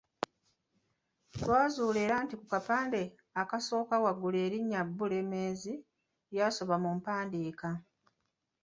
Twazuula era nti ku kapande akasooka waggulu erinnya Bulemeezi lyasoba mu mpandiika.